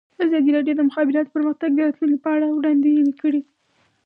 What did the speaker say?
ازادي راډیو د د مخابراتو پرمختګ د راتلونکې په اړه وړاندوینې کړې.